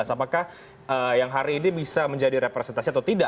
apakah yang hari ini bisa menjadi representasi atau tidak